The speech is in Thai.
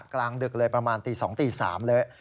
กลางดึกเลยประมาณตี๒ตี๓เลย